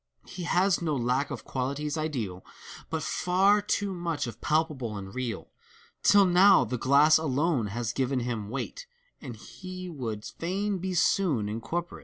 He has no lack of qualities ideal, But far too much of palpable and real. Till now the glass alone has given him weight, And he would fain be soon incorporate.